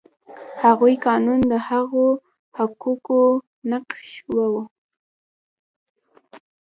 هغوی قانون د هغو حقوقو نقض و.